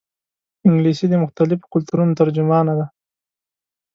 انګلیسي د مختلفو کلتورونو ترجمانه ده